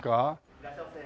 いらっしゃいませ。